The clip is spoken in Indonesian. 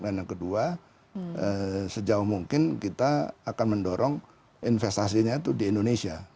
dan yang kedua sejauh mungkin kita akan mendorong investasinya itu di indonesia